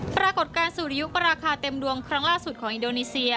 ปรากฏการณ์สุริยุปราคาเต็มดวงครั้งล่าสุดของอินโดนีเซีย